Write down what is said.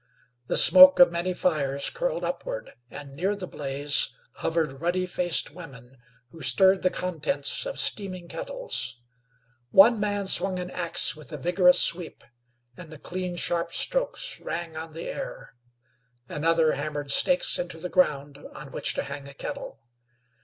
The smoke of many fires curled upward, and near the blaze hovered ruddy faced women who stirred the contents of steaming kettles. One man swung an axe with a vigorous sweep, and the clean, sharp strokes rang on the air; another hammered stakes into the ground on which to hang a kettle.